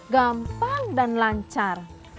gampang dan lancar